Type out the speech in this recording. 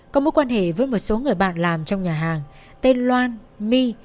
có mối quan hệ với một số người bạn làm trong nhà hàng tên loan mi